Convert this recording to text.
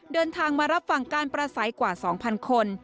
เดินทางมารับฟังการประสัยกว่า๒๐๐คน